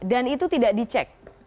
dan itu tidak dicek